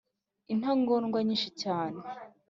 intagondwa nyinshi cyane